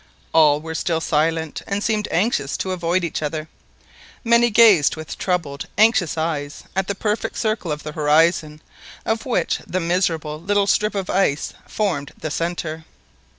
All were still silent, and seemed anxious to avoid each other. Many gazed with troubled anxious eyes at the perfect circle of the horizon, of which the miserable little strip of ice formed the centre.